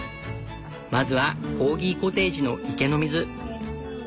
まずはコーギコテージの池の水。